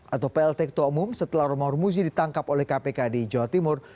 atau plt ketua umum setelah romahur muzi ditangkap oleh kpk di jawa timur